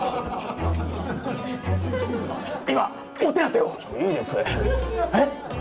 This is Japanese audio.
今お手当てをいいですえッ？